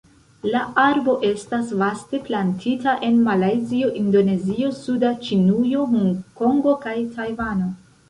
La arbo estas vaste plantita en Malajzio, Indonezio, suda Ĉinujo, Hongkongo kaj Tajvano.